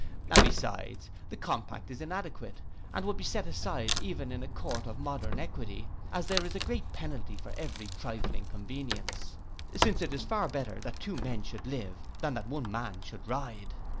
And beside, the compact is inadequate, and would be set aside even in a court of modern equity, as there is a great penalty for a very trifling convenience, since it is far better that two men should live, than that one man should ride.